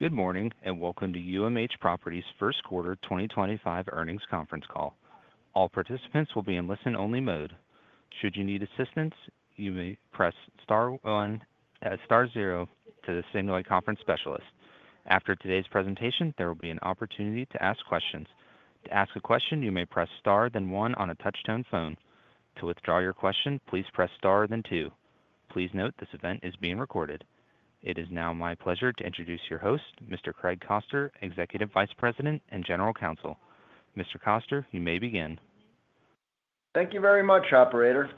Good morning and welcome to UMH Properties' First Quarter 2025 Earnings Conference Call. All participants will be in listen-only mode. Should you need assistance, you may press star one, star zero to the Simulate Conference Specialist. After today's presentation, there will be an opportunity to ask questions. To ask a question, you may press star then one on a touch-tone phone. To withdraw your question, please press star then two. Please note this event is being recorded. It is now my pleasure to introduce your host, Mr. Craig Koster, Executive Vice President and General Counsel. Mr. Koster, you may begin. Thank you very much, Operator.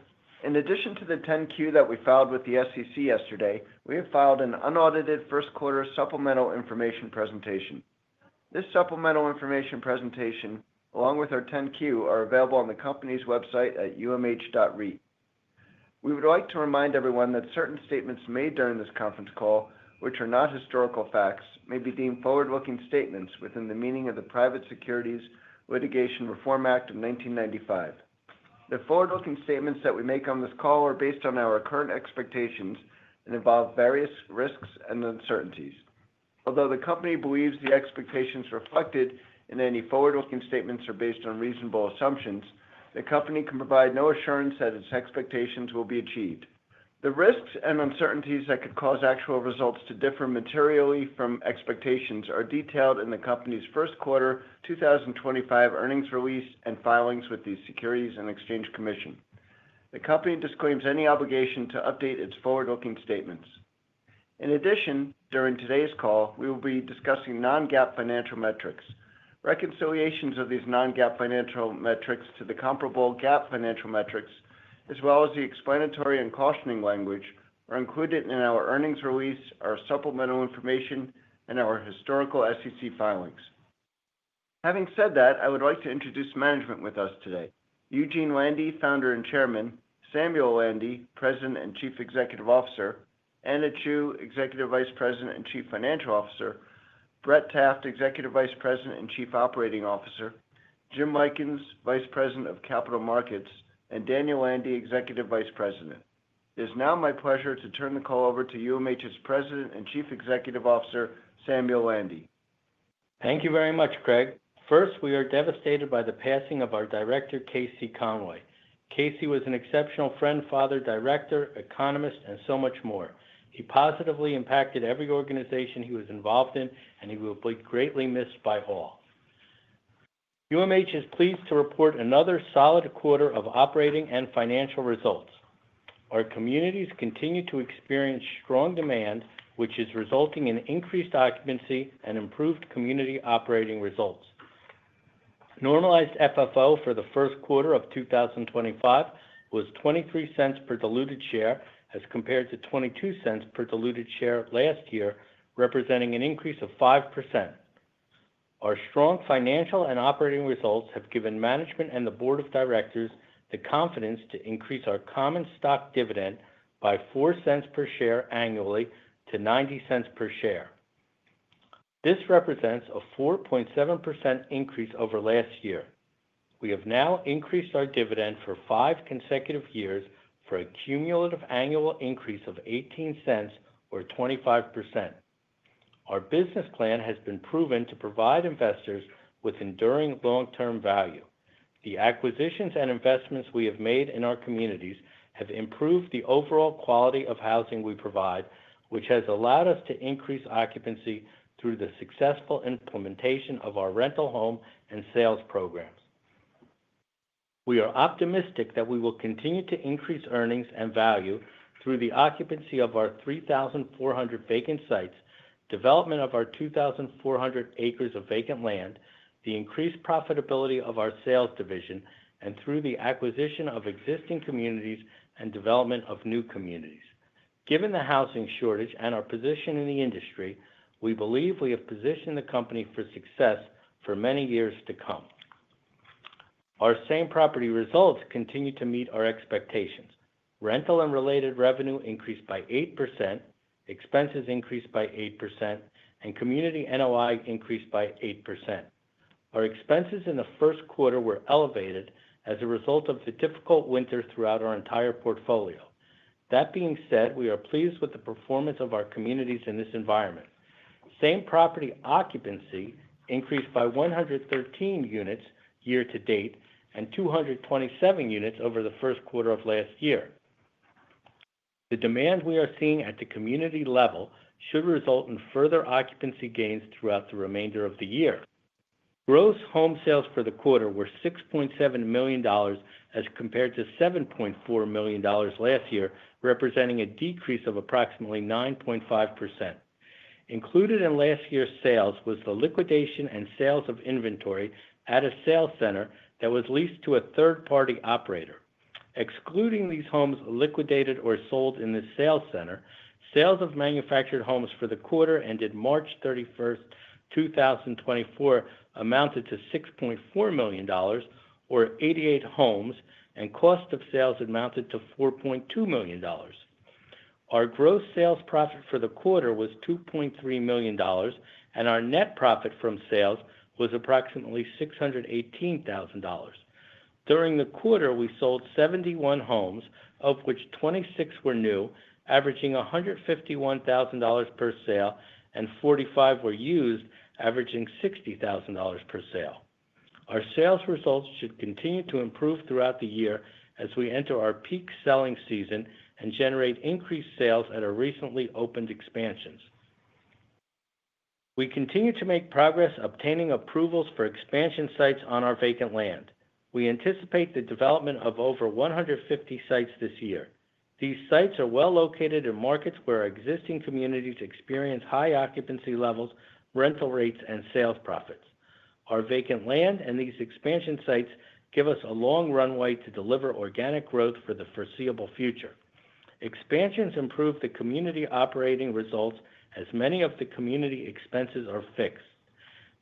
In addition to the 10-Q that we filed with the SEC yesterday, we have filed an unaudited first quarter supplemental information presentation. This supplemental information presentation, along with our 10-Q, are available on the company's website at umh.re. We would like to remind everyone that certain statements made during this conference call, which are not historical facts, may be deemed forward-looking statements within the meaning of the Private Securities Litigation Reform Act of 1995. The forward-looking statements that we make on this call are based on our current expectations and involve various risks and uncertainties. Although the company believes the expectations reflected in any forward-looking statements are based on reasonable assumptions, the company can provide no assurance that its expectations will be achieved. The risks and uncertainties that could cause actual results to differ materially from expectations are detailed in the company's first quarter 2025 earnings release and filings with the Securities and Exchange Commission. The company disclaims any obligation to update its forward-looking statements. In addition, during today's call, we will be discussing non-GAAP financial metrics. Reconciliations of these non-GAAP financial metrics to the comparable GAAP financial metrics, as well as the explanatory and cautioning language, are included in our earnings release, our supplemental information, and our historical SEC filings. Having said that, I would like to introduce management with us today: Eugene Landy, Founder and Chairman; Samuel Landy, President and Chief Executive Officer; Anna Chew, Executive Vice President and Chief Financial Officer; Brett Taft, Executive Vice President and Chief Operating Officer; Jim Lykins, Vice President of Capital Markets; and Daniel Landy, Executive Vice President. It is now my pleasure to turn the call over to UMH's President and Chief Executive Officer, Samuel Landy. Thank you very much, Craig. First, we are devastated by the passing of our director, Casey Conway. Casey was an exceptional friend, father, director, economist, and so much more. He positively impacted every organization he was involved in, and he will be greatly missed by all. UMH is pleased to report another solid quarter of operating and financial results. Our communities continue to experience strong demand, which is resulting in increased occupancy and improved community operating results. Normalized FFO for the first quarter of 2025 was $0.23 per diluted share as compared to $0.22 per diluted share last year, representing an increase of 5%. Our strong financial and operating results have given management and the board of directors the confidence to increase our common stock dividend by $0.04 per share annually to $0.90 per share. This represents a 4.7% increase over last year. We have now increased our dividend for five consecutive years for a cumulative annual increase of $0.18, or 25%. Our business plan has been proven to provide investors with enduring long-term value. The acquisitions and investments we have made in our communities have improved the overall quality of housing we provide, which has allowed us to increase occupancy through the successful implementation of our rental home and sales programs. We are optimistic that we will continue to increase earnings and value through the occupancy of our 3,400 vacant sites, development of our 2,400 acres of vacant land, the increased profitability of our sales division, and through the acquisition of existing communities and development of new communities. Given the housing shortage and our position in the industry, we believe we have positioned the company for success for many years to come. Our same property results continue to meet our expectations. Rental and related revenue increased by 8%, expenses increased by 8%, and community NOI increased by 8%. Our expenses in the first quarter were elevated as a result of the difficult winter throughout our entire portfolio. That being said, we are pleased with the performance of our communities in this environment. Same property occupancy increased by 113 units year to date and 227 units over the first quarter of last year. The demand we are seeing at the community level should result in further occupancy gains throughout the remainder of the year. Gross home sales for the quarter were $6.7 million as compared to $7.4 million last year, representing a decrease of approximately 9.5%. Included in last year's sales was the liquidation and sales of inventory at a sales center that was leased to a third-party operator. Excluding these homes liquidated or sold in the sales center, sales of manufactured homes for the quarter ended March 31, 2024, amounted to $6.4 million, or 88 homes, and cost of sales amounted to $4.2 million. Our gross sales profit for the quarter was $2.3 million, and our net profit from sales was approximately $618,000. During the quarter, we sold 71 homes, of which 26 were new, averaging $151,000 per sale, and 45 were used, averaging $60,000 per sale. Our sales results should continue to improve throughout the year as we enter our peak selling season and generate increased sales at our recently opened expansions. We continue to make progress obtaining approvals for expansion sites on our vacant land. We anticipate the development of over 150 sites this year. These sites are well located in markets where existing communities experience high occupancy levels, rental rates, and sales profits. Our vacant land and these expansion sites give us a long runway to deliver organic growth for the foreseeable future. Expansions improve the community operating results as many of the community expenses are fixed.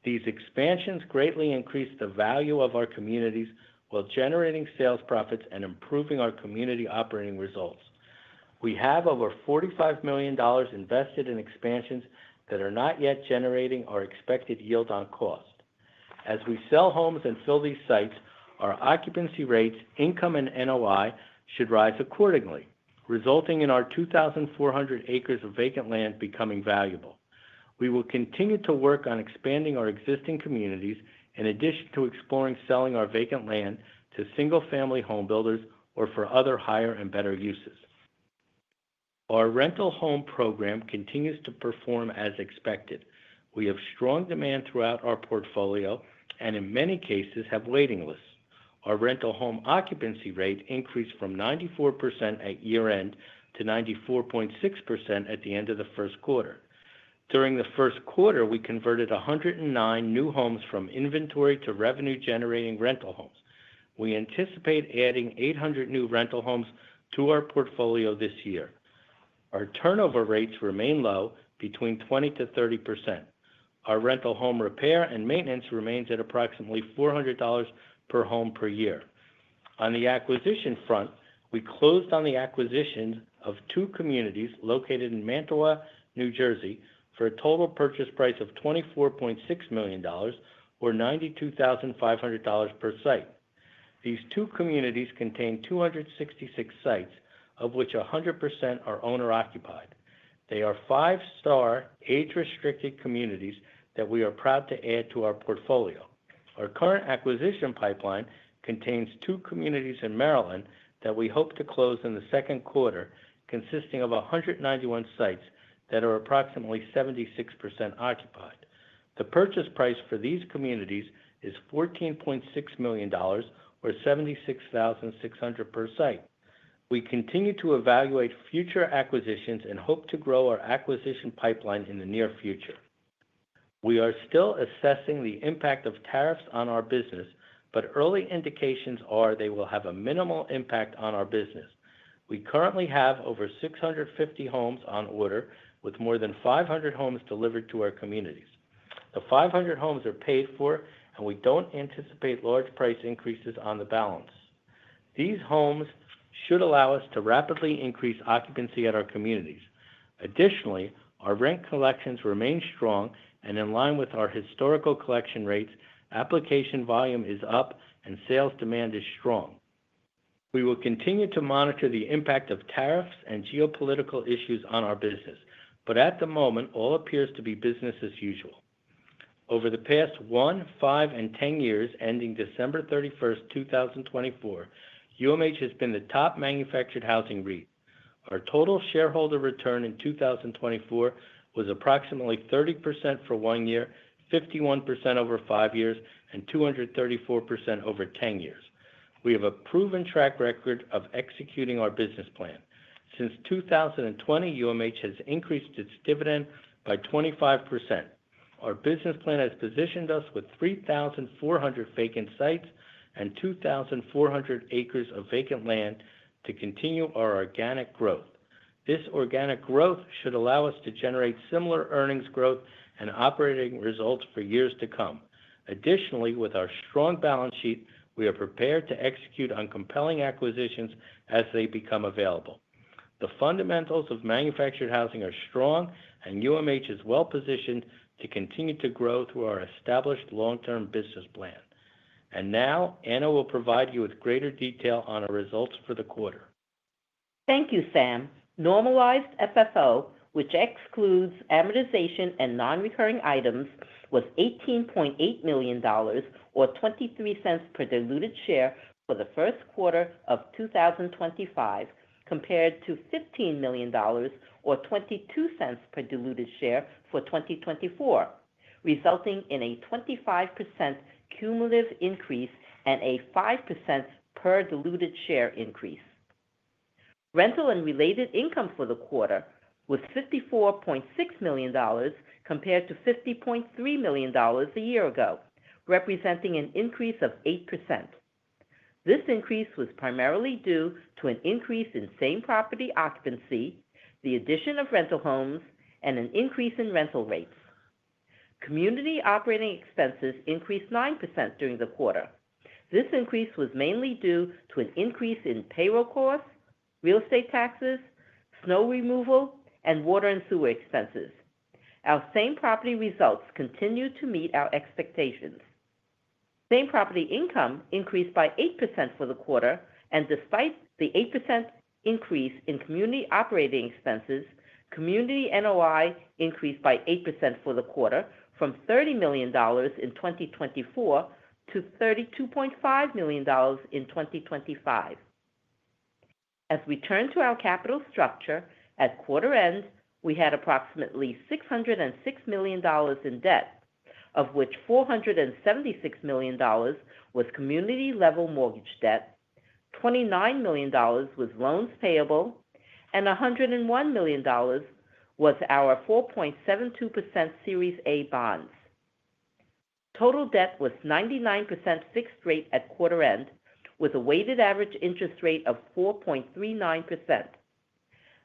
These expansions greatly increase the value of our communities while generating sales profits and improving our community operating results. We have over $45 million invested in expansions that are not yet generating our expected yield on cost. As we sell homes and fill these sites, our occupancy rates, income, and NOI should rise accordingly, resulting in our 2,400 acres of vacant land becoming valuable. We will continue to work on expanding our existing communities in addition to exploring selling our vacant land to single-family home builders or for other higher and better uses. Our rental home program continues to perform as expected. We have strong demand throughout our portfolio and, in many cases, have waiting lists. Our rental home occupancy rate increased from 94% at year-end to 94.6% at the end of the first quarter. During the first quarter, we converted 109 new homes from inventory to revenue-generating rental homes. We anticipate adding 800 new rental homes to our portfolio this year. Our turnover rates remain low, between 20%-30%. Our rental home repair and maintenance remains at approximately $400 per home per year. On the acquisition front, we closed on the acquisition of two communities located in Mantua, New Jersey, for a total purchase price of $24.6 million, or $92,500 per site. These two communities contain 266 sites, of which 100% are owner-occupied. They are five-star, age-restricted communities that we are proud to add to our portfolio. Our current acquisition pipeline contains two communities in Maryland that we hope to close in the second quarter, consisting of 191 sites that are approximately 76% occupied. The purchase price for these communities is $14.6 million, or $76,600 per site. We continue to evaluate future acquisitions and hope to grow our acquisition pipeline in the near future. We are still assessing the impact of tariffs on our business, but early indications are they will have a minimal impact on our business. We currently have over 650 homes on order, with more than 500 homes delivered to our communities. The 500 homes are paid for, and we don't anticipate large price increases on the balance. These homes should allow us to rapidly increase occupancy at our communities. Additionally, our rent collections remain strong and in line with our historical collection rates. Application volume is up, and sales demand is strong. We will continue to monitor the impact of tariffs and geopolitical issues on our business, but at the moment, all appears to be business as usual. Over the past one, five, and 10 years, ending December 31, 2024, UMH has been the top manufactured housing REIT. Our total shareholder return in 2024 was approximately 30% for one year, 51% over five years, and 234% over 10 years. We have a proven track record of executing our business plan. Since 2020, UMH has increased its dividend by 25%. Our business plan has positioned us with 3,400 vacant sites and 2,400 acres of vacant land to continue our organic growth. This organic growth should allow us to generate similar earnings growth and operating results for years to come. Additionally, with our strong balance sheet, we are prepared to execute on compelling acquisitions as they become available. The fundamentals of manufactured housing are strong, and UMH is well positioned to continue to grow through our established long-term business plan. And now Anna will provide you with greater detail on our results for the quarter. Thank you, Sam. Normalized FFO, which excludes amortization and non-recurring items, was $18.8 million, or $0.23 per diluted share for the first quarter of 2025, compared to $15 million, or $0.22 per diluted share for 2024, resulting in a 25% cumulative increase and a 5% per diluted share increase. Rental and related income for the quarter was $54.6 million, compared to $50.3 million a year ago, representing an increase of 8%. This increase was primarily due to an increase in same-property occupancy, the addition of rental homes, and an increase in rental rates. Community operating expenses increased 9% during the quarter. This increase was mainly due to an increase in payroll costs, real estate taxes, snow removal, and water and sewer expenses. Our same-property results continue to meet our expectations. Same-property income increased by 8% for the quarter, and despite the 8% increase in community operating expenses, community NOI increased by 8% for the quarter, from $30 million in 2024 to $32.5 million in 2025. As we turn to our capital structure, at quarter end, we had approximately $606 million in debt, of which $476 million was community-level mortgage debt, $29 million was loans payable, and $101 million was our 4.72% Series A bonds. Total debt was 99% fixed rate at quarter end, with a weighted average interest rate of 4.39%.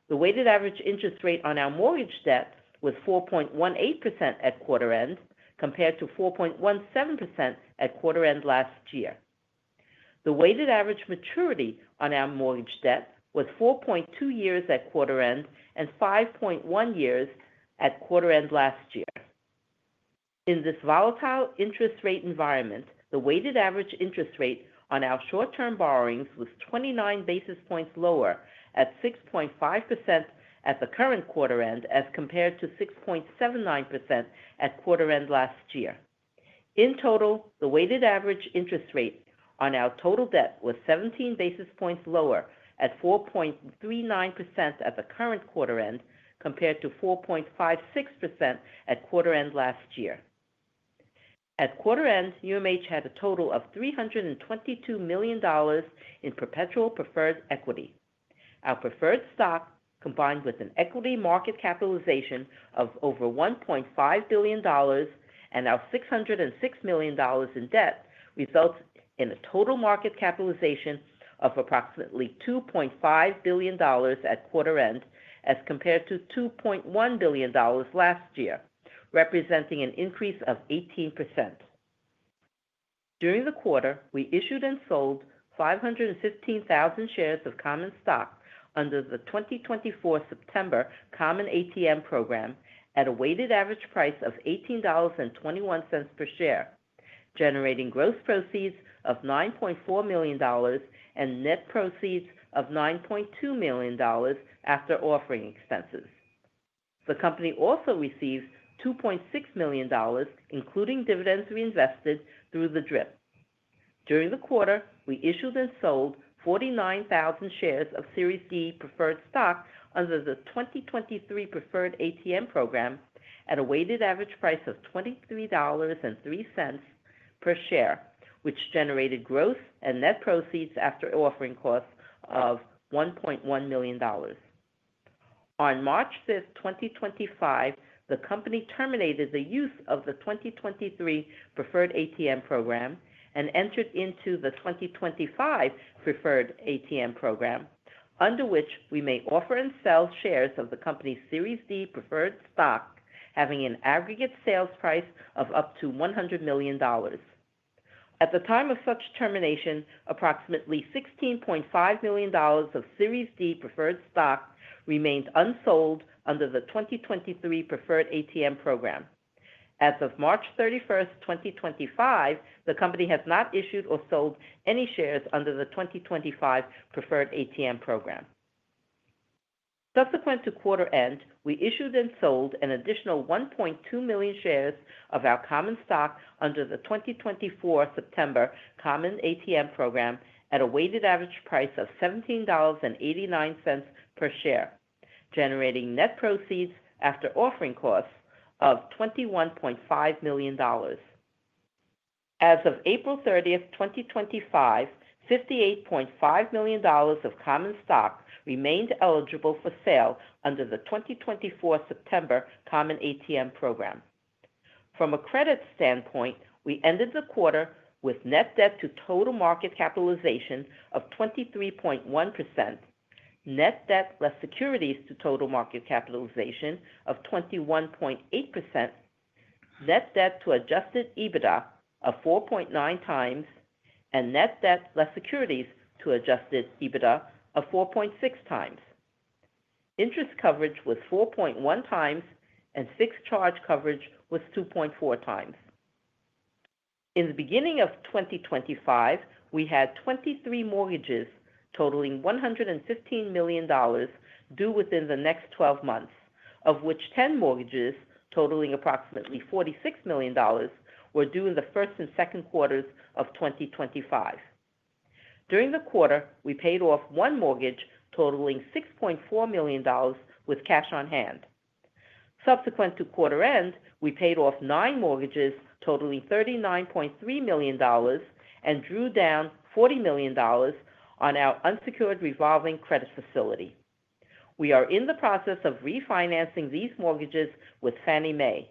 The weighted average interest rate on our mortgage debt was 4.18% at quarter end, compared to 4.17% at quarter end last year. The weighted average maturity on our mortgage debt was 4.2 years at quarter end and 5.1 years at quarter end last year. In this volatile interest rate environment, the weighted average interest rate on our short-term borrowings was 29 basis points lower at 6.5% at the current quarter end as compared to 6.79% at quarter end last year. In total, the weighted average interest rate on our total debt was 17 basis points lower at 4.39% at the current quarter end compared to 4.56% at quarter end last year. At quarter end, UMH had a total of $322 million in perpetual preferred equity. Our preferred stock, combined with an equity market capitalization of over $1.5 billion and our $606 million in debt, results in a total market capitalization of approximately $2.5 billion at quarter end as compared to $2.1 billion last year, representing an increase of 18%. During the quarter, we issued and sold 515,000 shares of common stock under the 2024 September Common ATM Program at a weighted average price of $18.21 per share, generating gross proceeds of $9.4 million and net proceeds of $9.2 million after offering expenses. The company also received $2.6 million, including dividends reinvested through the drip. During the quarter, we issued and sold 49,000 shares of Series D preferred stock under the 2023 preferred ATM Program at a weighted average price of $23.03 per share, which generated gross and net proceeds after offering costs of $1.1 million. On March 5, 2025, the company terminated the use of the 2023 preferred ATM Program and entered into the 2025 preferred ATM Program, under which we may offer and sell shares of the company's Series D preferred stock, having an aggregate sales price of up to $100 million. At the time of such termination, approximately $16.5 million of Series D preferred stock remained unsold under the 2023 preferred ATM Program. As of March 31, 2025, the company has not issued or sold any shares under the 2025 preferred ATM Program. Subsequent to quarter end, we issued and sold an additional 1.2 million shares of our common stock under the 2024 September Common ATM Program at a weighted average price of $17.89 per share, generating net proceeds after offering costs of $21.5 million. As of April 30, 2025, $58.5 million of common stock remained eligible for sale under the 2024 September Common ATM Program. From a credit standpoint, we ended the quarter with net debt to total market capitalization of 23.1%, net debt less securities to total market capitalization of 21.8%, net debt to adjusted EBIT``DA of 4.9x and net debt less securities to adjusted EBITDA of 4.6x. Interest coverage was 4.1x, and fixed charge coverage was 2.4x. In the beginning of 2025, we had 23 mortgages totaling $115 million due within the next 12 months, of which 10 mortgages totaling approximately $46 million were due in the first and second quarters of 2025. During the quarter, we paid off one mortgage totaling $6.4 million with cash on hand. Subsequent to quarter end, we paid off nine mortgages totaling $39.3 million and drew down $40 million on our unsecured revolving credit facility. We are in the process of refinancing these mortgages with Fannie Mae.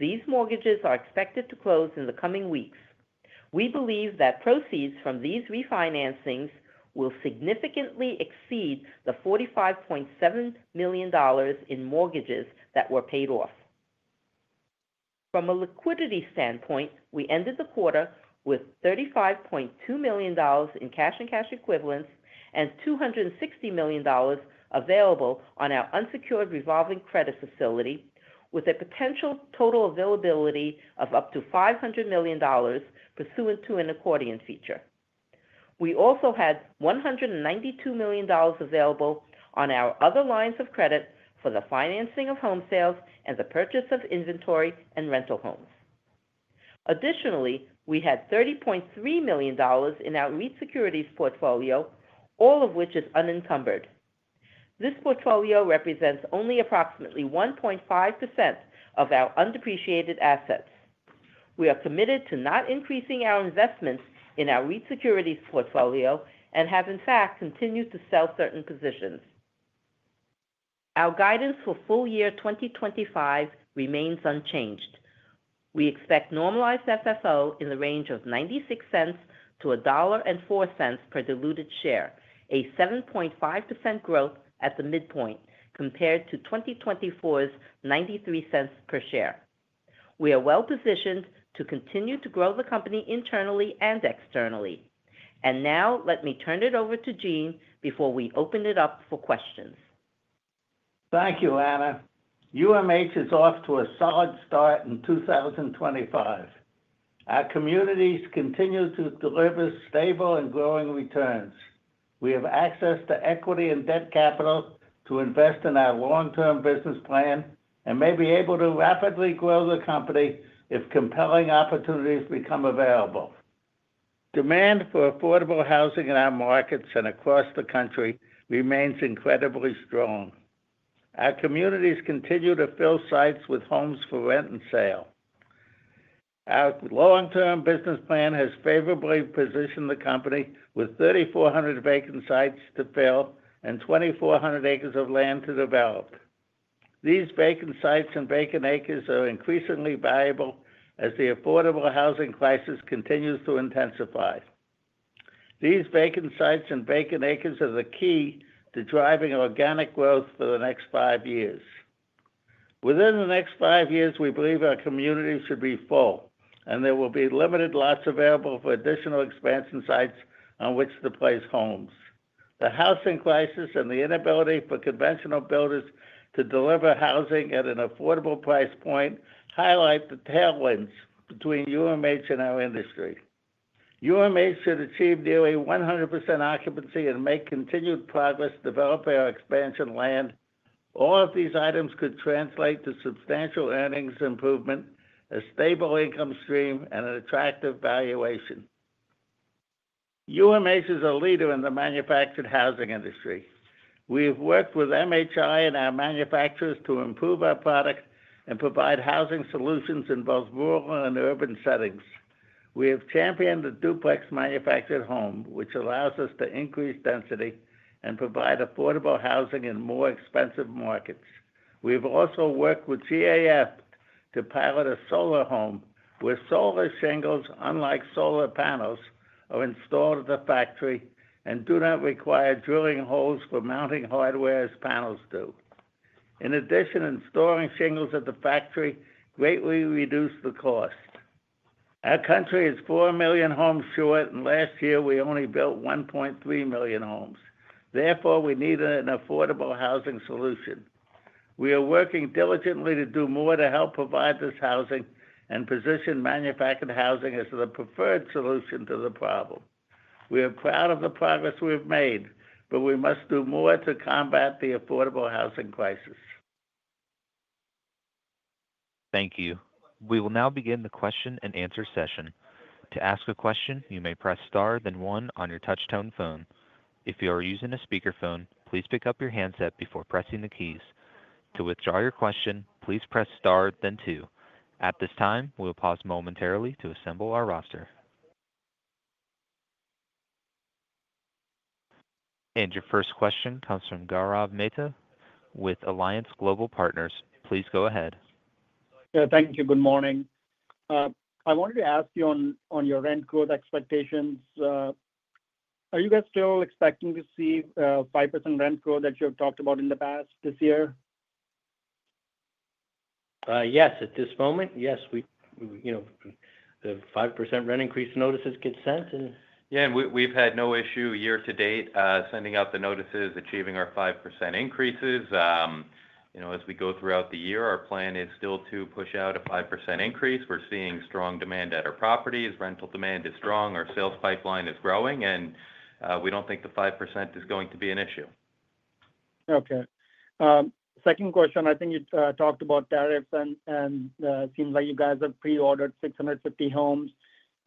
These mortgages are expected to close in the coming weeks. We believe that proceeds from these refinancings will significantly exceed the $45.7 million in mortgages that were paid off. From a liquidity standpoint, we ended the quarter with $35.2 million in cash and cash equivalents and $260 million available on our unsecured revolving credit facility, with a potential total availability of up to $500 million pursuant to an accordion feature. We also had $192 million available on our other lines of credit for the financing of home sales and the purchase of inventory and rental homes. Additionally, we had $30.3 million in our REIT securities portfolio, all of which is unencumbered. This portfolio represents only approximately 1.5% of our undepreciated assets. We are committed to not increasing our investments in our REIT securities portfolio and have, in fact, continued to sell certain positions. Our guidance for full year 2025 remains unchanged. We expect normalized FFO in the range of $0.96-$1.04 per diluted share, a 7.5% growth at the midpoint compared to 2024's $0.93 per share. We are well positioned to continue to grow the company internally and externally. Let me turn it over to Eugene before we open it up for questions. Thank you, Anna. UMH is off to a solid start in 2025. Our communities continue to deliver stable and growing returns. We have access to equity and debt capital to invest in our long-term business plan and may be able to rapidly grow the company if compelling opportunities become available. Demand for affordable housing in our markets and across the country remains incredibly strong. Our communities continue to fill sites with homes for rent and sale. Our long-term business plan has favorably positioned the company with 3,400 vacant sites to fill and 2,400 acres of land to develop. These vacant sites and vacant acres are increasingly valuable as the affordable housing crisis continues to intensify. These vacant sites and vacant acres are the key to driving organic growth for the next five years. Within the next five years, we believe our community should be full, and there will be limited lots available for additional expansion sites on which to place homes. The housing crisis and the inability for conventional builders to deliver housing at an affordable price point highlight the tailwinds between UMH and our industry. UMH should achieve nearly 100% occupancy and make continued progress developing our expansion land. All of these items could translate to substantial earnings improvement, a stable income stream, and an attractive valuation. UMH is a leader in the manufactured housing industry. We have worked with MHI and our manufacturers to improve our product and provide housing solutions in both rural and urban settings. We have championed the duplex manufactured home, which allows us to increase density and provide affordable housing in more expensive markets. We have also worked with GAF to pilot a solar home where solar shingles, unlike solar panels, are installed at the factory and do not require drilling holes for mounting hardware as panels do. In addition, installing shingles at the factory greatly reduced the cost. Our country is 4 million homes short, and last year we only built 1.3 million homes. Therefore, we needed an affordable housing solution. We are working diligently to do more to help provide this housing and position manufactured housing as the preferred solution to the problem. We are proud of the progress we have made, but we must do more to combat the affordable housing crisis. Thank you. We will now begin the question and answer session. To ask a question, you may press star, then one on your touch-tone phone. If you are using a speakerphone, please pick up your handset before pressing the keys. To withdraw your question, please press star, then two. At this time, we will pause momentarily to assemble our roster. Your first question comes from Gaurav Mehta with Alliance Global Partners. Please go ahead. Thank you. Good morning. I wanted to ask you on your rent growth expectations. Are you guys still expecting to see a 5% rent growth that you have talked about in the past this year? Yes. At this moment, yes. The 5% rent increase notices get sent. Yeah. We've had no issue year to date sending out the notices, achieving our 5% increases. As we go throughout the year, our plan is still to push out a 5% increase. We're seeing strong demand at our properties. Rental demand is strong. Our sales pipeline is growing, and we don't think the 5% is going to be an issue. Okay. Second question, I think you talked about tariffs, and it seems like you guys have pre-ordered 650 homes.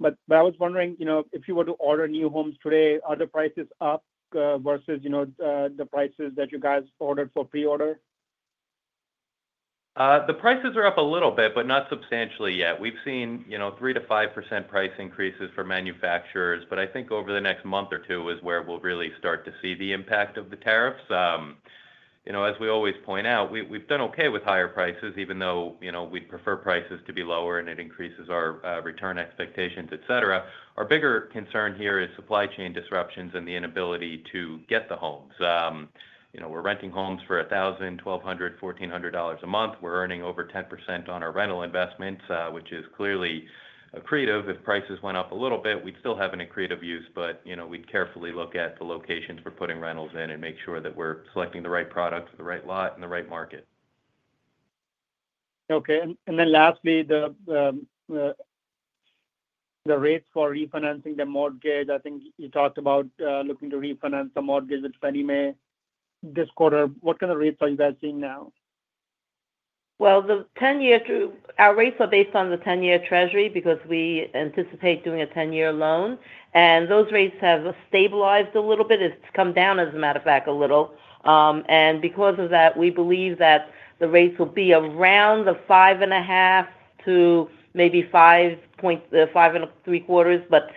I was wondering, if you were to order new homes today, are the prices up versus the prices that you guys ordered for pre-order? The prices are up a little bit, but not substantially yet. We've seen 3%-5% price increases for manufacturers, but I think over the next month or two is where we'll really start to see the impact of the tariffs. As we always point out, we've done okay with higher prices, even though we'd prefer prices to be lower and it increases our return expectations, etc. Our bigger concern here is supply chain disruptions and the inability to get the homes. We're renting homes for $1,000, $1,200, $1,400 a month. We're earning over 10% on our rental investments, which is clearly accretive. If prices went up a little bit, we'd still have an accretive use, but we'd carefully look at the locations we're putting rentals in and make sure that we're selecting the right product for the right lot and the right market. Okay. Lastly, the rates for refinancing the mortgage. I think you talked about looking to refinance the mortgage with Fannie Mae this quarter. What kind of rates are you guys seeing now? Our rates are based on the 10-year Treasury because we anticipate doing a 10-year loan. Those rates have stabilized a little bit. It's come down, as a matter of fact, a little. Because of that, we believe that the rates will be around the 5.5%-5.75%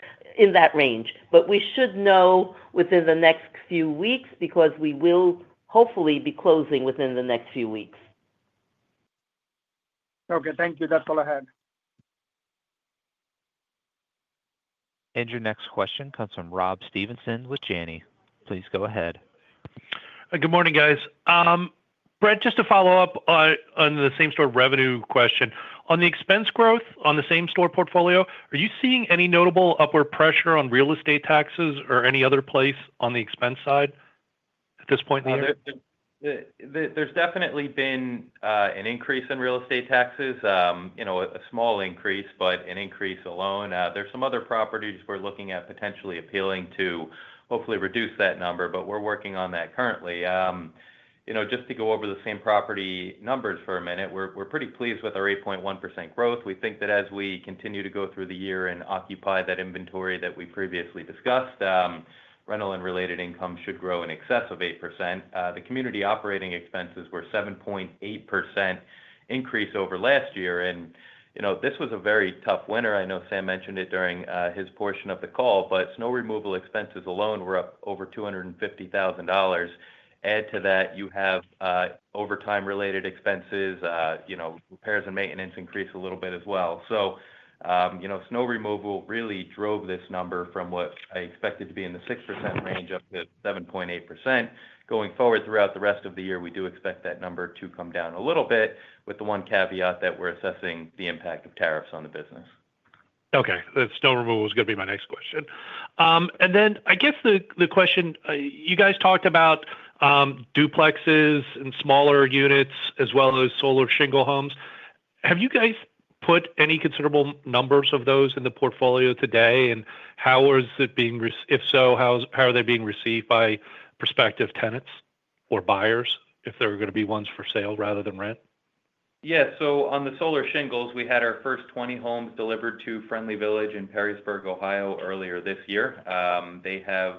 range. We should know within the next few weeks because we will hopefully be closing within the next few weeks. Okay. Thank you. That's all I had. Your next question comes from Rob Stevenson with Janney. Please go ahead. Good morning, guys. Brett, just to follow up on the same-store revenue question. On the expense growth on the same-store portfolio, are you seeing any notable upward pressure on real estate taxes or any other place on the expense side at this point in the year? There's definitely been an increase in real estate taxes, a small increase, but an increase alone. There are some other properties we're looking at potentially appealing to hopefully reduce that number, but we're working on that currently. Just to go over the same property numbers for a minute, we're pretty pleased with our 8.1% growth. We think that as we continue to go through the year and occupy that inventory that we previously discussed, rental and related income should grow in excess of 8%. The community operating expenses were a 7.8% increase over last year. This was a very tough winter. I know Sam mentioned it during his portion of the call, but snow removal expenses alone were up over $250,000. Add to that, you have overtime-related expenses, repairs and maintenance increased a little bit as well. Snow removal really drove this number from what I expected to be in the 6% range up to 7.8%. Going forward throughout the rest of the year, we do expect that number to come down a little bit with the one caveat that we're assessing the impact of tariffs on the business. Okay. Snow removal was going to be my next question. I guess the question, you guys talked about duplexes and smaller units as well as solar shingle homes. Have you guys put any considerable numbers of those in the portfolio today, and how is it being, if so, how are they being received by prospective tenants or buyers if there are going to be ones for sale rather than rent? Yeah. On the solar shingles, we had our first 20 homes delivered to Friendly Village in Perrysburg, Ohio, earlier this year. They have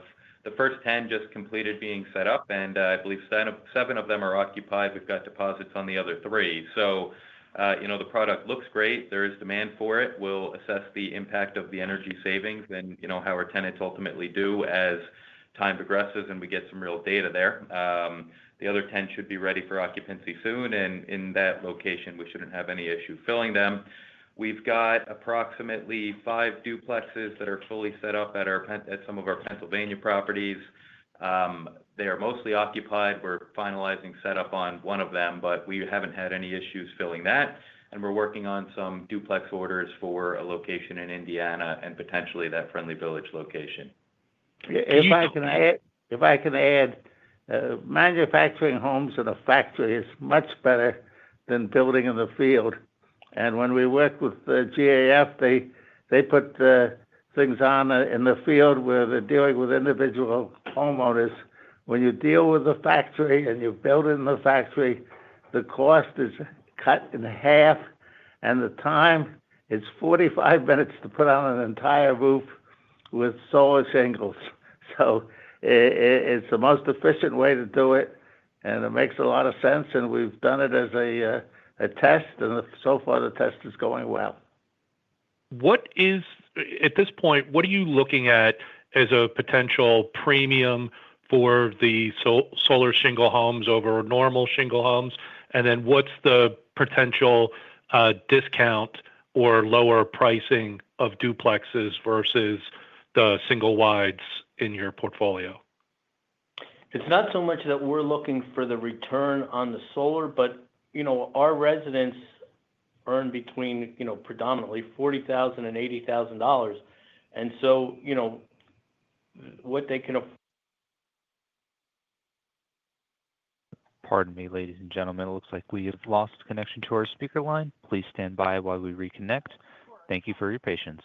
the first 10 just completed being set up, and I believe seven of them are occupied. We've got deposits on the other three. The product looks great. There is demand for it. We'll assess the impact of the energy savings and how our tenants ultimately do as time progresses, and we get some real data there. The other 10 should be ready for occupancy soon. In that location, we shouldn't have any issue filling them. We've got approximately five duplexes that are fully set up at some of our Pennsylvania properties. They are mostly occupied. We're finalizing setup on one of them, but we haven't had any issues filling that. We're working on some duplex orders for a location in Indiana and potentially that Friendly Village location. If I can add, manufacturing homes in a factory is much better than building in the field. When we work with GAF, they put things on in the field where they're dealing with individual homeowners. When you deal with a factory and you build in the factory, the cost is cut in half, and the time is 45 minutes to put on an entire roof with solar shingles. It is the most efficient way to do it, and it makes a lot of sense, and we've done it as a test, and so far the test is going well. At this point, what are you looking at as a potential premium for the solar shingle homes over normal shingle homes? What is the potential discount or lower pricing of duplexes versus the single wides in your portfolio? It's not so much that we're looking for the return on the solar, but our residents earn between predominantly $40,000 and $80,000. And so what they can Pardon me, ladies and gentlemen. It looks like we have lost connection to our speaker line. Please stand by while we reconnect. Thank you for your patience.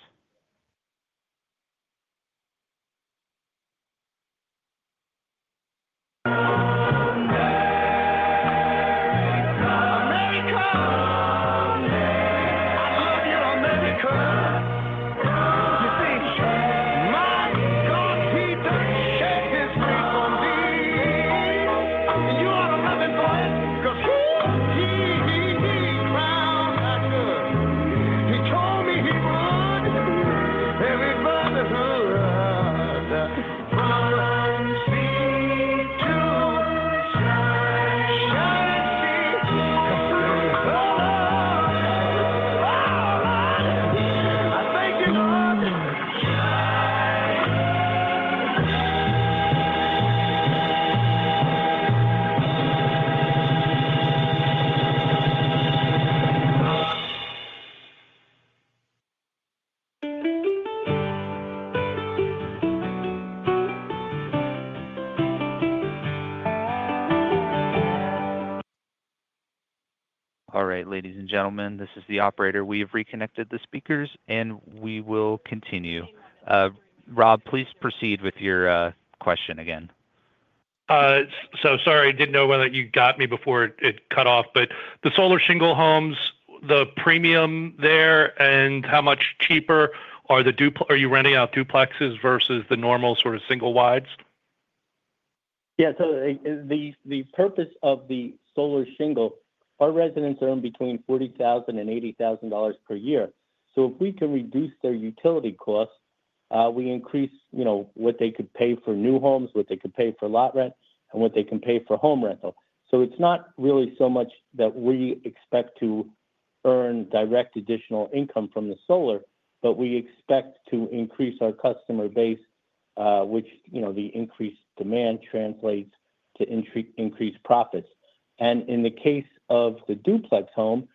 All right, ladies and gentlemen, this is the operator. We have reconnected the speakers, and we will continue. Rob, please proceed with your question again. Sorry, I didn't know whether you got me before it cut off, but the solar shingle homes, the premium there and how much cheaper are you renting out duplexes versus the normal sort of single wides? Yeah. The purpose of the solar shingle, our residents earn between $40,000 and $80,000 per year. If we can reduce their utility costs, we increase what they could pay for new homes, what they could pay for lot rent, and what they can pay for home rental. It is not really so much that we expect to earn direct additional income from the solar, but we expect to increase our customer base, which the increased demand translates to increased profits. In the case of the duplex home,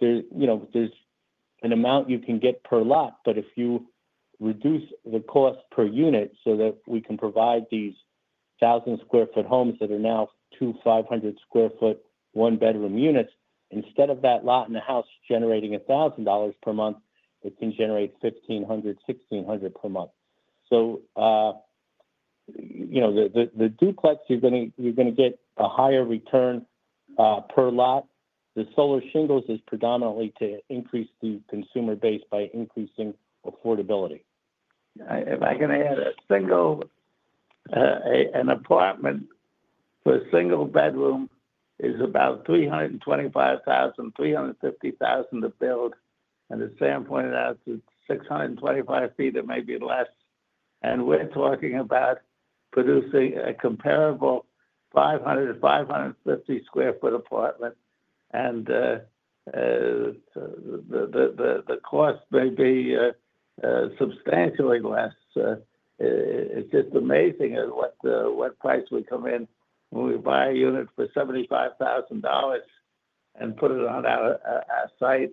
there is an amount you can get per lot, but if you reduce the cost per unit so that we can provide these 1,000 sq ft homes that are now 2,500 sq ft one-bedroom units, instead of that lot and the house generating $1,000 per month, it can generate $1,500-$1,600 per month. The duplex, you are going to get a higher return per lot. The solar shingles is predominantly to increase the consumer base by increasing affordability. If I can add a single, an apartment for a single bedroom is about $325,000-$350,000 to build. As Sam pointed out, it is 625 sq ft. It may be less. We are talking about producing a comparable 500 sq ft-550 sq ft apartment, and the cost may be substantially less. It is just amazing at what price we come in when we buy a unit for $75,000 and put it on our site.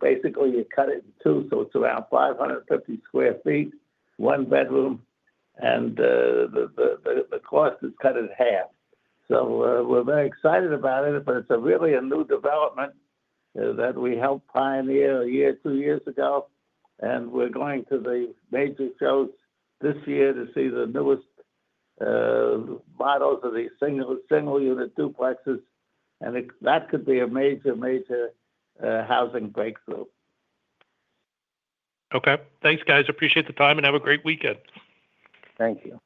Basically, you cut it in two, so it is around 550 sq ft, one bedroom, and the cost is cut in half. We are very excited about it, but it is really a new development that we helped pioneer a year, two years ago. We are going to the major shows this year to see the newest models of these single unit duplexes. That could be a major, major housing breakthrough. Okay. Thanks, guys. Appreciate the time and have a great weekend. Thank you.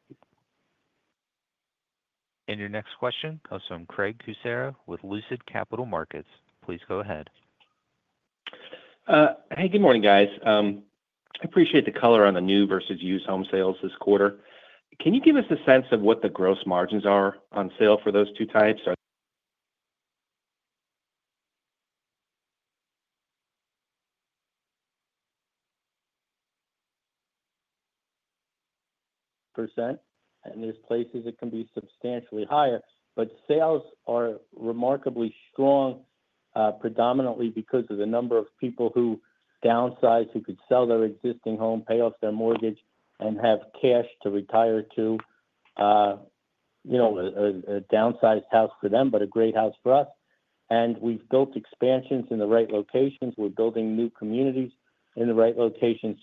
Your next question comes from Craig Kucera with Lucid Capital Markets. Please go ahead. Hey, good morning, guys. I appreciate the color on the new versus used home sales this quarter. Can you give us a sense of what the gross margins are on sale for those two types? Percentage and there's places it can be substantially higher, but sales are remarkably strong predominantly because of the number of people who downsize, who could sell their existing home, pay off their mortgage, and have cash to retire to a downsized house for them, but a great house for us. We've built expansions in the right locations. We're building new communities in the right locations.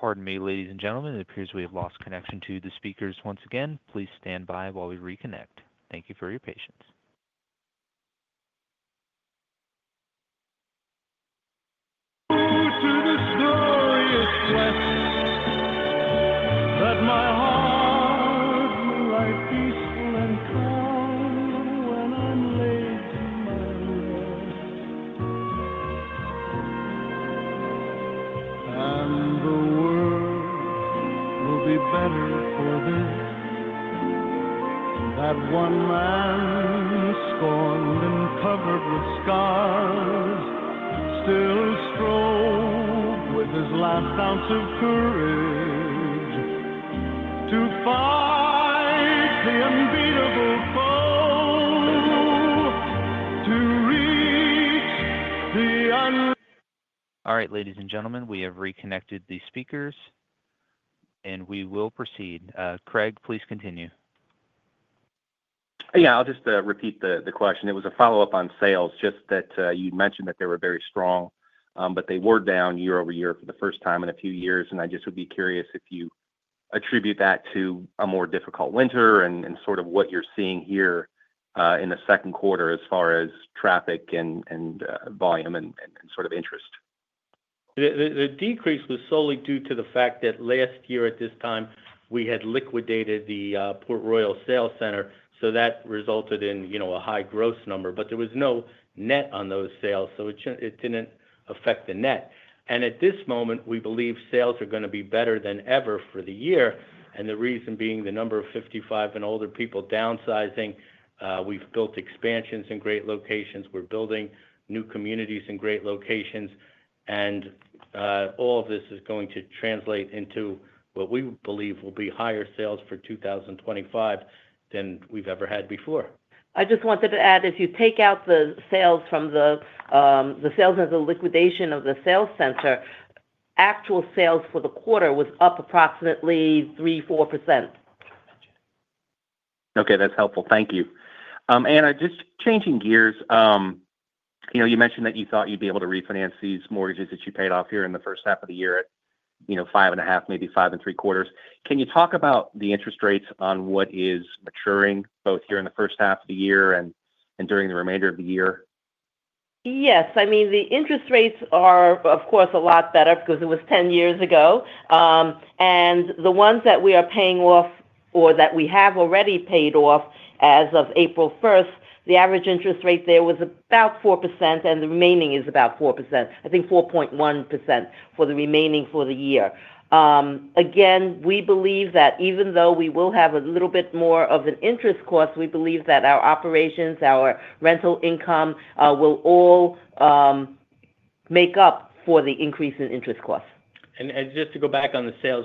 Pardon me, ladies and gentlemen. It appears we have lost connection to the speakers once again. Please stand by while we reconnect. Thank you for your patience. All right, ladies and gentlemen, we have reconnected the speakers, and we will proceed. Craig, please continue. Yeah. I'll just repeat the question. It was a follow-up on sales, just that you'd mentioned that they were very strong, but they were down yea-over-year for the first time in a few years. I just would be curious if you attribute that to a more difficult winter and sort of what you're seeing here in the second quarter as far as traffic and volume and sort of interest? The decrease was solely due to the fact that last year at this time, we had liquidated the Port Royal Sales Center, so that resulted in a high gross number. There was no net on those sales, so it did not affect the net. At this moment, we believe sales are going to be better than ever for the year. The reason being the number of 55 and older people downsizing. We have built expansions in great locations. We are building new communities in great locations. All of this is going to translate into what we believe will be higher sales for 2025 than we have ever had before. I just wanted to add, as you take out the sales from the sales and the liquidation of the sales center, actual sales for the quarter was up approximately 3%-4%. Okay. That's helpful. Thank you. Anna, just changing gears, you mentioned that you thought you'd be able to refinance these mortgages that you paid off here in the first half of the year at 5.5%, maybe 5.75%. Can you talk about the interest rates on what is maturing both here in the first half of the year and during the remainder of the year? Yes. I mean, the interest rates are, of course, a lot better because it was 10 years ago. The ones that we are paying off or that we have already paid off as of April 1, the average interest rate there was about 4%, and the remaining is about 4%. I think 4.1% for the remaining for the year. Again, we believe that even though we will have a little bit more of an interest cost, we believe that our operations, our rental income will all make up for the increase in interest costs. Just to go back on the sales,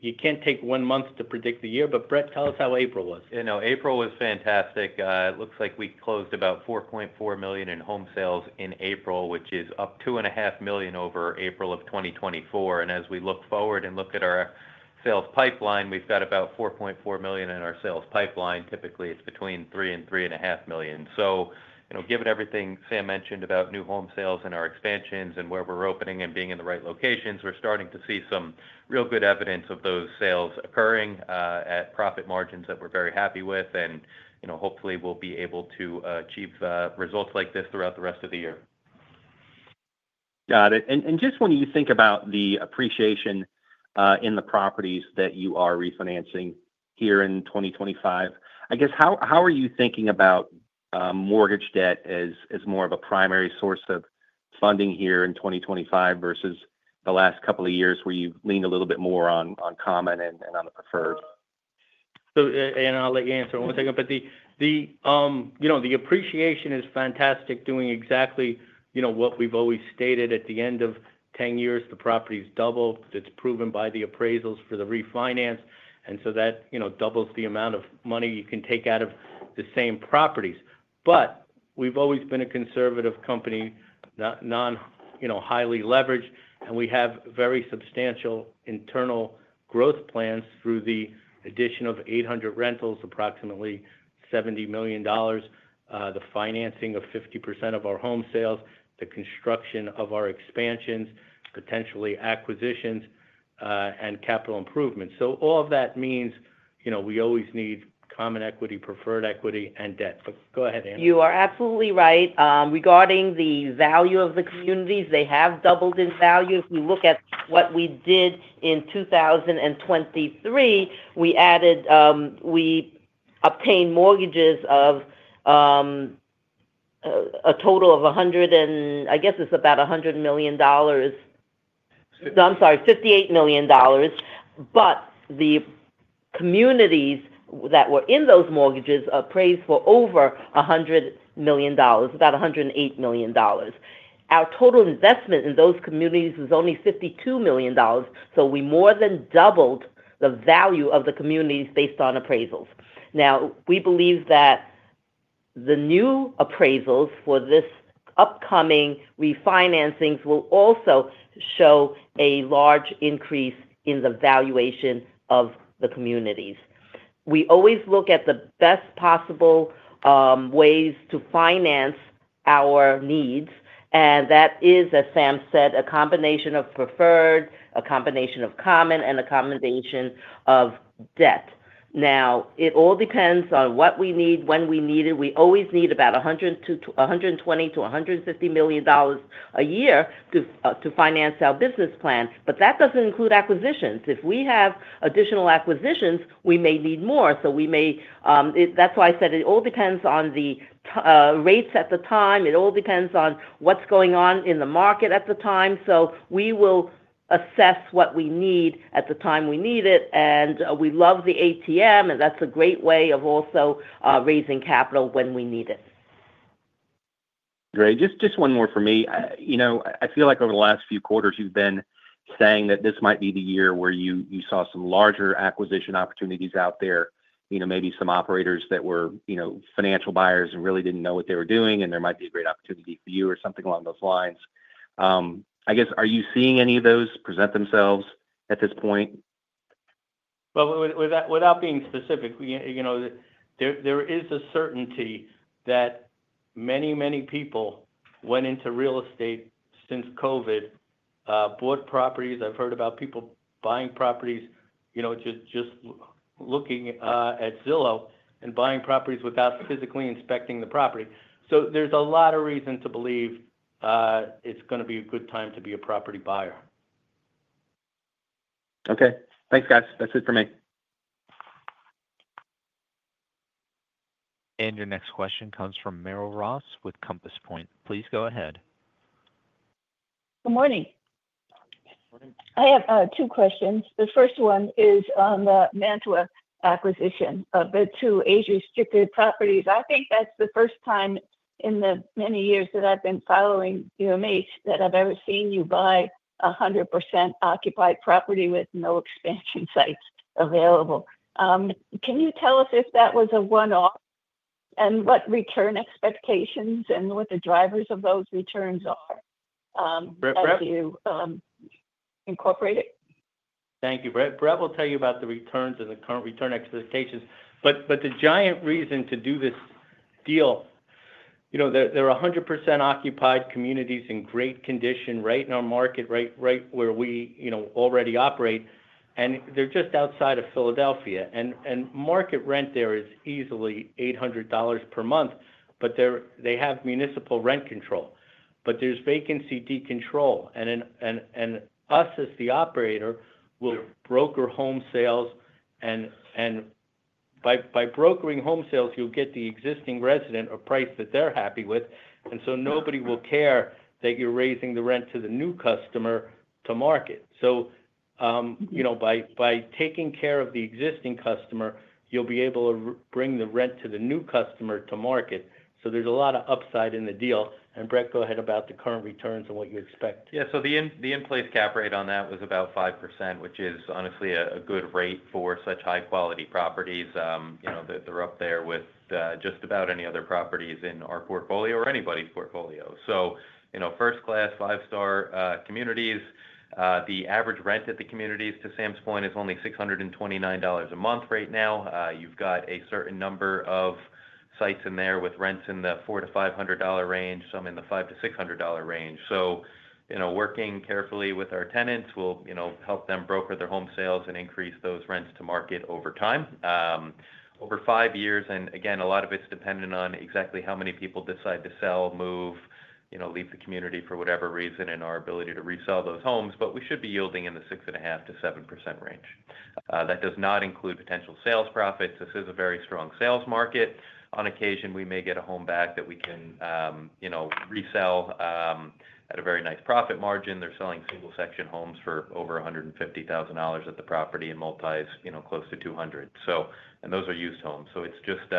you can't take one month to predict the year, but Brett, tell us how April was? April was fantastic. It looks like we closed about $4.4 million in home sales in April, which is up $2.5 million over April of 2024. As we look forward and look at our sales pipeline, we've got about $4.4 million in our sales pipeline. Typically, it's between $3 million-$3.5 million. Given everything Sam mentioned about new home sales and our expansions and where we're opening and being in the right locations, we're starting to see some real good evidence of those sales occurring at profit margins that we're very happy with. Hopefully, we'll be able to achieve results like this throughout the rest of the year. Got it. Just when you think about the appreciation in the properties that you are refinancing here in 2025, I guess, how are you thinking about mortgage debt as more of a primary source of funding here in 2025 versus the last couple of years where you've leaned a little bit more on common and on the preferred? I'll let Anna answer one. The appreciation is fantastic, doing exactly what we've always stated. At the end of 10 years, the property is doubled. It's proven by the appraisals for the refinance. That doubles the amount of money you can take out of the same properties but we've always been a conservative company, not highly leveraged, and we have very substantial internal growth plans through the addition of 800 rentals, approximately $70 million, the financing of 50% of our home sales, the construction of our expansions, potentially acquisitions, and capital improvements. All of that means we always need common equity, preferred equity, and debt. Go ahead, Anna. You are absolutely right. Regarding the value of the communities, they have doubled in value. If we look at what we did in 2023, we obtained mortgages of a total of, I guess it's about $100 million, I'm sorry, $58 million. The communities that were in those mortgages appraised for over $100 million, about $108 million. Our total investment in those communities was only $52 million. We more than doubled the value of the communities based on appraisals. Now, we believe that the new appraisals for this upcoming refinancing's will also show a large increase in the valuation of the communities. We always look at the best possible ways to finance our needs. That is, as Sam said, a combination of preferred, a combination of common, and a combination of debt. It all depends on what we need, when we need it. We always need about $120 million-$150 million a year to finance our business plan. That does not include acquisitions. If we have additional acquisitions, we may need more. That is why I said it all depends on the rates at the time. It all depends on what is going on in the market at the time. We will assess what we need at the time we need it. We love the ATM, and that is a great way of also raising capital when we need it. Great. Just one more for me. I feel like over the last few quarters, you've been saying that this might be the year where you saw some larger acquisition opportunities out there, maybe some operators that were financial buyers and really didn't know what they were doing, and there might be a great opportunity for you or something along those lines. I guess, are you seeing any of those present themselves at this point? We are not being specific, you know there is a certainty that many, many people went into real estate since COVID, bought properties. I've heard about people buying properties just looking at Zillow and buying properties without physically inspecting the property. So there's a lot of reason to believe it's going to be a good time to be a property buyer. Okay. Thanks, guys. That's it for me. Your next question comes from Meryl Ross with Compass Point. Please go ahead. Good morning. I have two questions. The first one is on the Mantua acquisition of the two age-restricted properties. I think that's the first time in the many years that I've been following you and me that I've ever seen you buy a 100% occupied property with no expansion sites available. Can you tell us if that was a one-off and what return expectations and what the drivers of those returns are as you incorporate it? Thank you. Brett will tell you about the returns and the current return expectations. The giant reason to do this deal, there are 100% occupied communities in great condition right in our market, right where we already operate. They are just outside of Philadelphia. Market rent there is easily $800 per month, but they have municipal rent control. There is vacancy decontrol. Us as the operator will broker home sales. By brokering home sales, you will get the existing resident a price that they are happy with. Nobody will care that you are raising the rent to the new customer to market. By taking care of the existing customer, you will be able to bring the rent to the new customer to market. There is a lot of upside in the deal. Brett, go ahead about the current returns and what you expect. Yeah. The in-place cap rate on that was about 5%, which is honestly a good rate for such high-quality properties. They're up there with just about any other properties in our portfolio or anybody's portfolio. First-class, five-star communities. The average rent at the communities, to same point, is only $629 a month right now. You've got a certain number of sites in there with rents in the $400-$500 range, some in the $500-$600 range. Working carefully with our tenants will help them broker their home sales and increase those rents to market over time. Over five years, and again, a lot of it's dependent on exactly how many people decide to sell, move, leave the community for whatever reason and our ability to resell those homes. We should be yielding in the 6.5%-7% range. That does not include potential sales profits. This is a very strong sales market. On occasion, we may get a home back that we can resell at a very nice profit margin. They're selling single-section homes for over $150,000 at the property and multi is close to $200,000. And those are used homes. It is just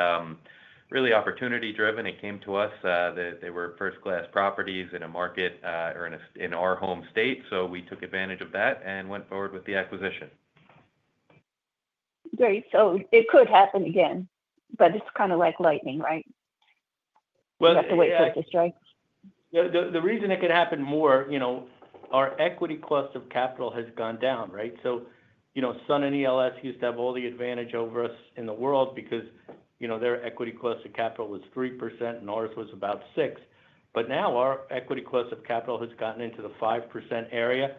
really opportunity-driven. It came to us. They were first-class properties in a market or in our home state. We took advantage of that and went forward with the acquisition. Great. It could happen again, but it's kind of like lightning, right? You have to wait for it to strike. Yeah. The reason it could happen more, our equity cost of capital has gone down, right? SUN and ELS used to have all the advantage over us in the world because their equity cost of capital was 3% and ours was about 6%. Now our equity cost of capital has gotten into the 5% area.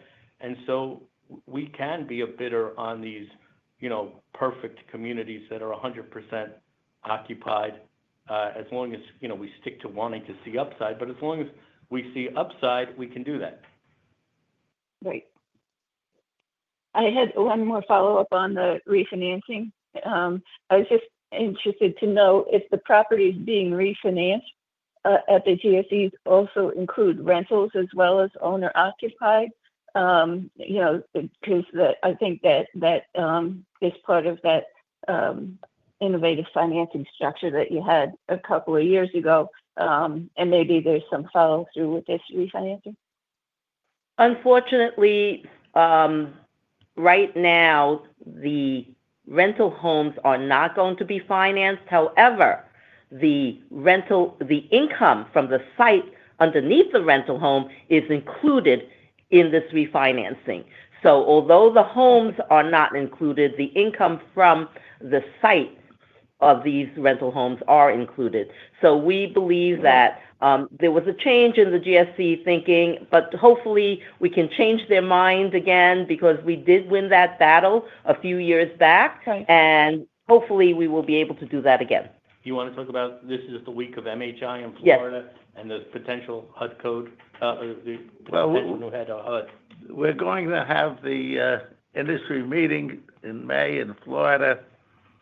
We can be a bidder on these perfect communities that are 100% occupied as long as we stick to wanting to see upside. As long as we see upside, we can do that. Right. I had one more follow-up on the refinancing. I was just interested to know if the properties being refinanced at the GSEs also include rentals as well as owner-occupied because I think that is part of that innovative financing structure that you had a couple of years ago. Maybe there is some follow-through with this refinancing. Unfortunately, right now, the rental homes are not going to be financed. However, the income from the site underneath the rental home is included in this refinancing. Although the homes are not included, the income from the site of these rental homes is included. We believe that there was a change in the GSE thinking, but hopefully, we can change their mind again because we did win that battle a few years back. Hopefully, we will be able to do that again. Do you want to talk about this is just the week of MHI in Florida and the potential HUD code? We're going to have the industry meeting in May in Florida.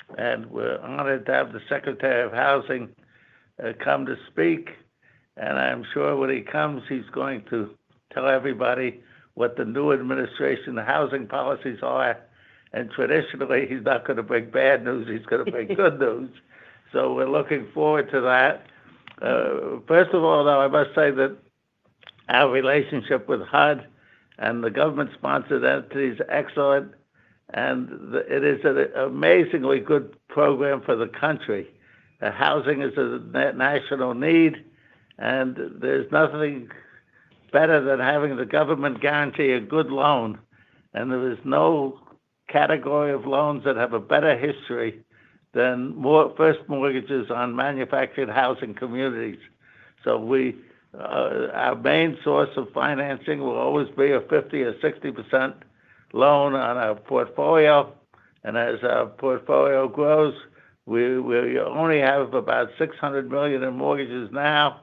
We're honored to have the Secretary of Housing come to speak. I'm sure when he comes, he's going to tell everybody what the new administration housing policies are. Traditionally, he's not going to bring bad news. He's going to bring good news. We're looking forward to that. First of all, though, I must say that our relationship with HUD and the government-sponsored entity is excellent. It is an amazingly good program for the country. Housing is a national need. There's nothing better than having the government guarantee a good loan. There is no category of loans that have a better history than first mortgages on manufactured housing communities. Our main source of financing will always be a 50% or 60% loan on our portfolio. As our portfolio grows, we only have about $600 million in mortgages now.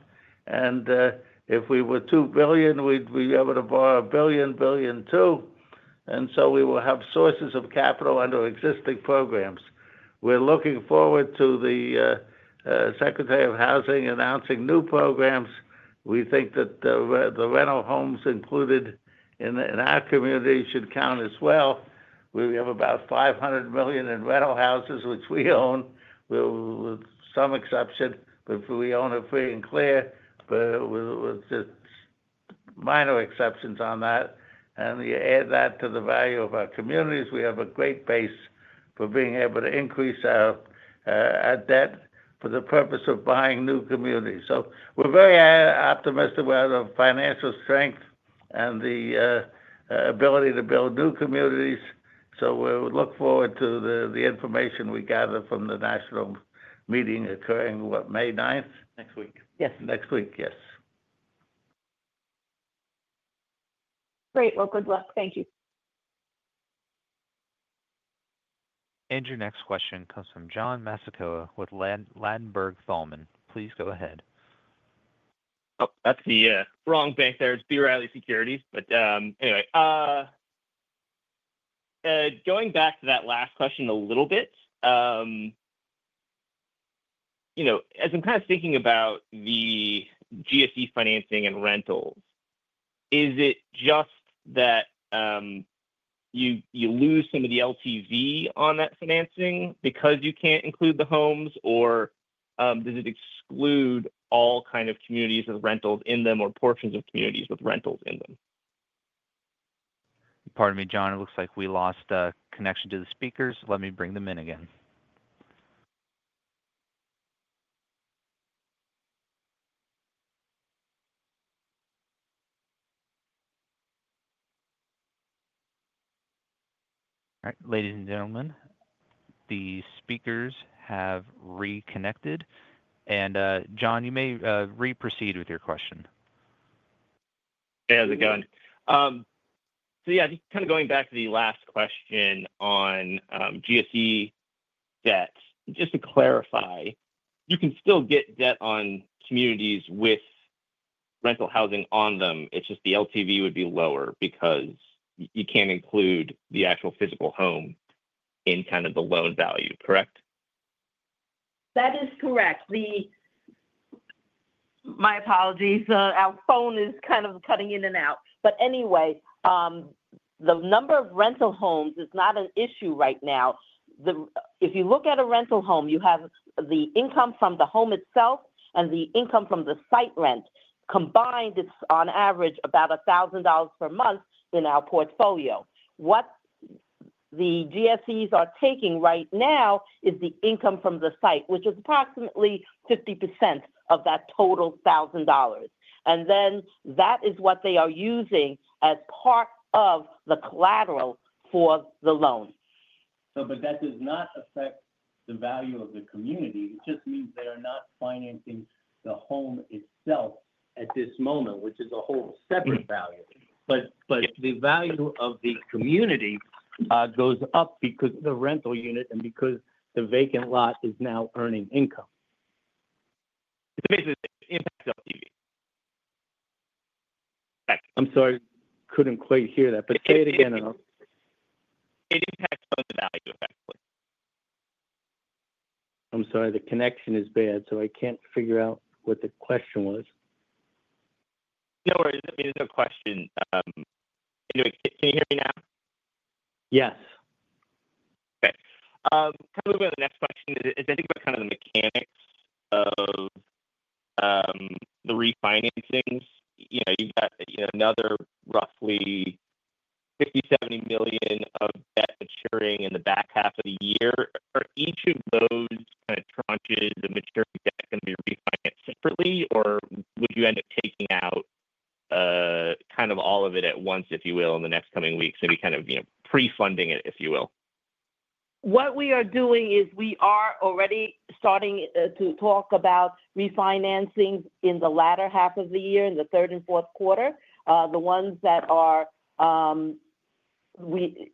If we were $2 billion, we'd be able to borrow $1 billion-$1.2 billion. We will have sources of capital under existing programs. We're looking forward to the Secretary of Housing announcing new programs. We think that the rental homes included in our community should count as well. We have about $500 million in rental houses, which we own with some exception. We own it free and clear, but with just minor exceptions on that. You add that to the value of our communities, we have a great base for being able to increase our debt for the purpose of buying new communities. We are very optimistic about our financial strength and the ability to build new communities. We look forward to the information we gather from the national meeting occurring, what, May 9th? Next week. Yes. Next week, yes. Great. Good luck. Thank you. Your next question comes from Jon Masakura with Ladenburg Thalmann. Please go ahead. Oh, that's the wrong bank there. It's B. Riley Securities. Anyway, going back to that last question a little bit, as I'm kind of thinking about the GSE financing and rentals, is it just that you lose some of the LTV on that financing because you can't include the homes, or does it exclude all kinds of communities with rentals in them or portions of communities with rentals in them? Pardon me, Jon. It looks like we lost connection to the speakers. Let me bring them in again. All right. Ladies and gentlemen, the speakers have reconnected and Jon, you may re-proceed with your question. Hey, how's it going? Yeah, just kind of going back to the last question on GSE debt. Just to clarify, you can still get debt on communities with rental housing on them. It's just the LTV would be lower because you can't include the actual physical home in kind of the loan value, correct? That is correct. My apologies. Our phone is kind of cutting in and out. Anyway, the number of rental homes is not an issue right now. If you look at a rental home, you have the income from the home itself and the income from the site rent, combined it's on average about $1,000 per month in our portfolio. What the GSEs are taking right now is the income from the site, which is approximately 50% of that total $1,000. That is what they are using as part of the collateral for the loan. That does not affect the value of the community. It just means they are not financing the home itself at this moment, which is a whole separate value. The value of the community goes up because of the rental unit and because the vacant lot is now earning income. It's basically the impact of LTV. I'm sorry. Could not quite hear that. Say it again. It impacts the value, effectively. I'm sorry. The connection is bad, so I can't figure out what the question was. No worries. I mean, there's a question. Can you hear me now? Yes. Okay. Kind of moving on to the next question, is anything about kind of the mechanics of the refinancings? You've got another roughly $50-$70 million of debt maturing in the back half of the year. Are each of those kind of tranches of maturing debt going to be refinanced separately, or would you end up taking out kind of all of it at once, if you will, in the next coming weeks, maybe kind of pre-funding it, if you will? What we are doing is we are already starting to talk about refinancing in the latter half of the year, in the third and fourth quarter. The ones that are we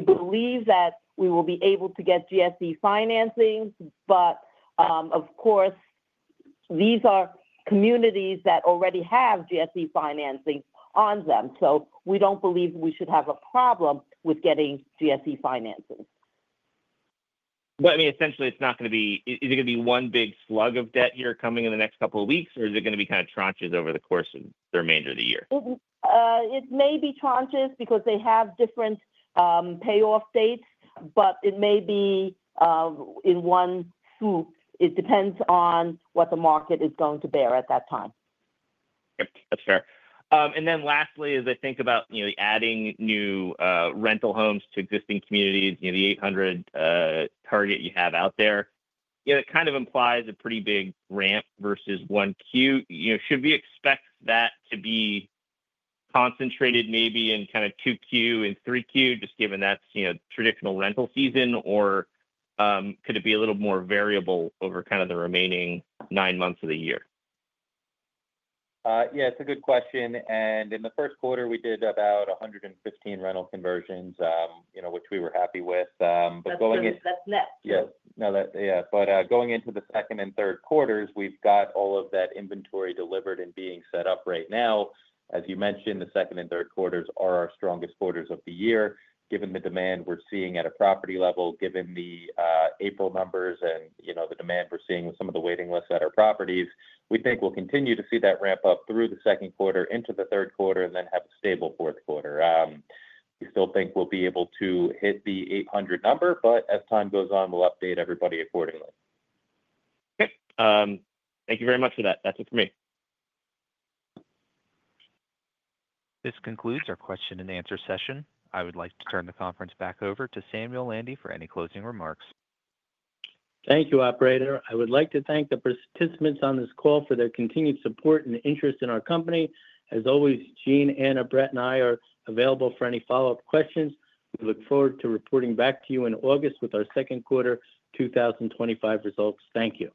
believe that we will be able to get GSE financing. But of course, these are communities that already have GSE financing on them. We do not believe we should have a problem with getting GSE financing. I mean, essentially, it's not going to be, is it going to be one big slug of debt here coming in the next couple of weeks, or is it going to be kind of tranches over the course of the remainder of the year? It may be tranches because they have different payoff dates, but it may be in one swoop. It depends on what the market is going to bear at that time. Yep. That's fair. Lastly, as I think about adding new rental homes to existing communities, the 800 target you have out there, it kind of implies a pretty big ramp versus one Q. Should we expect that to be concentrated maybe in kind of 2Q and 3Q, just given that's traditional rental season, or could it be a little more variable over kind of the remaining nine months of the year? Yeah. It's a good question. In the first quarter, we did about 115 rental conversions, which we were happy with. Going into. That's next. Yeah. Yeah. Going into the second and third quarters, we've got all of that inventory delivered and being set up right now. As you mentioned, the second and third quarters are our strongest quarters of the year. Given the demand we're seeing at a property level, given the April numbers and the demand we're seeing with some of the waiting lists at our properties, we think we'll continue to see that ramp up through the second quarter, into the third quarter, and then have a stable fourth quarter. We still think we'll be able to hit the 800 number, but as time goes on, we'll update everybody accordingly. Okay. Thank you very much for that. That's it for me. This concludes our question and answer session. I would like to turn the conference back over to Samuel Landy for any closing remarks. Thank you, Operator. I would like to thank the participants on this call for their continued support and interest in our company. As always, Eugene, Anna, Brett, and I are available for any follow-up questions. We look forward to reporting back to you in August with our second quarter 2025 results. Thank you.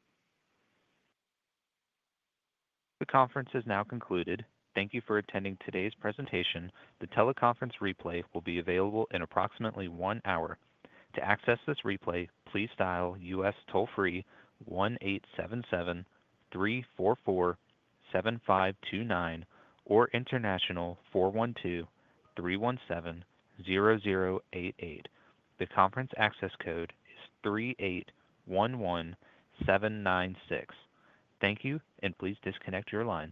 The conference is now concluded. Thank you for attending today's presentation. The teleconference replay will be available in approximately one hour. To access this replay, please dial U.S. toll-free 1-877-344-7529 or international 412-317-0088. The conference access code is 3811796. Thank you, and please disconnect your lines.